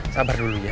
sabar dulu ya